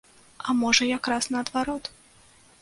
А можа, якраз наадварот.